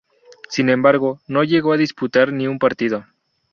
Sin embargo, no llegó a disputar ni un partido.